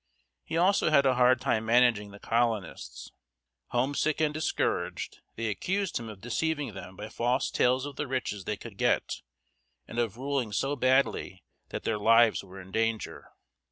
He also had a hard time managing the colonists. Homesick and discouraged, they accused him of deceiving them by false tales of the riches they could get, and of ruling so badly that their lives were in danger.